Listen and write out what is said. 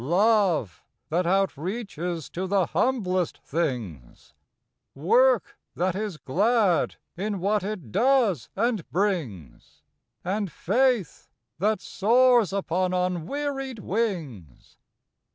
Love, that outreaches to the humblest things; Work that is glad, in what it does and brings; And faith that soars upon unwearied wings.